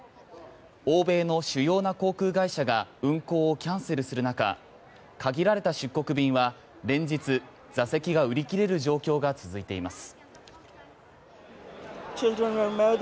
欧米の主要な航空会社が運航をキャンセルする中限られた出国便は連日、座席が売り切れる状況が続いています。